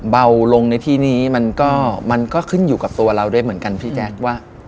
เบาลงในที่นี้มันก็มันก็ขึ้นอยู่กับตัวเราด้วยเหมือนกันพี่แจ๊คว่า